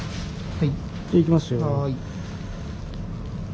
はい。